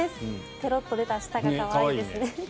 ペロッと出た舌が可愛いですね。